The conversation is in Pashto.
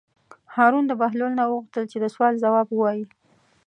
هارون د بهلول نه وغوښتل چې د سوال ځواب ووایي.